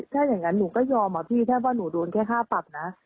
ถ้าอย่างนั้นหนูก็ยอมอะพี่ถ้าว่าหนูโดนแค่ค่าปรับนะ